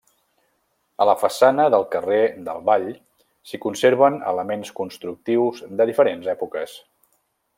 A la façana del carrer del Vall s'hi conserven elements constructius de diferents èpoques.